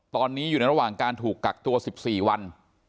ตอนนี้อยู่ในระหว่างการถูกกักตัว๑๔วัน